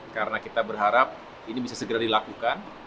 karena kita berharap ini bisa segera dilakukan